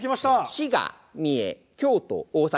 滋賀三重京都大阪。